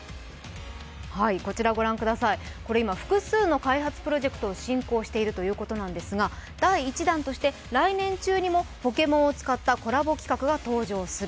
複数の開発プロジェクトが進行しているということなんですが、第１弾として来年中にもポケモンを使ったコラボ企画が登場する。